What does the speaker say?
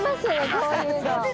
こういうの。